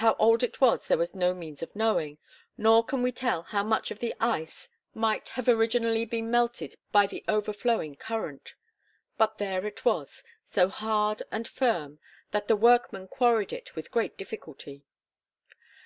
How old it was there is no means of knowing; nor can we tell how much of the ice might have originally been melted by the overflowing current. But there it was, so hard and firm that the workmen quarried it with great difficulty.